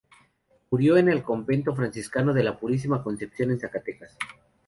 Murió en el convento franciscano de la Purísima Concepción en Zacatecas.